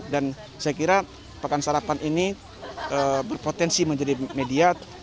dan saya kira pekan sarapan ini berpotensi menjadi media